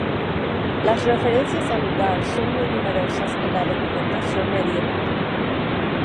Las referencias al lugar son muy numerosas en la documentación medieval.